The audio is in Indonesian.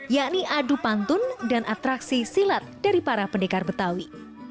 yakni adu pantun dan atraksi silat dari para pendekar betawi